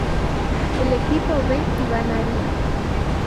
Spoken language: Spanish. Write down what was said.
El equipo B ganaría.